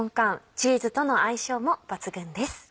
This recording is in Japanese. チーズとの相性も抜群です。